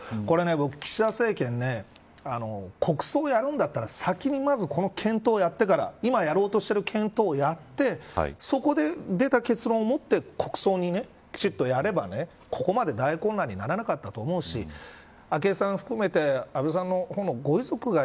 これね岸田政権ね国葬やるんだったら先にまず、この検討をやってから今やろうとしている検討をやってそこで出た結論をもって国葬をきちっとやればここまで大混乱にならなかったと思うし昭恵さん含めて安倍さんの方のご遺族が